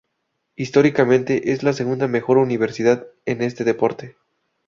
Históricamente, es la segunda mejor universidad en este deporte.